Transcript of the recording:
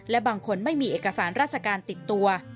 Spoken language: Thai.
และบางคนไม่มีเอกสารราชการติดตัว